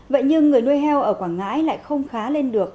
vậy nhưng người nuôi heo ở quảng ngãi lại không khá lên được